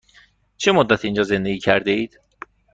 چه مدت اینجا زندگی کرده اید؟